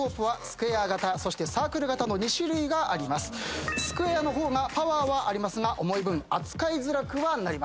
スクエアの方がパワーはありますが重い分扱いづらくはなります。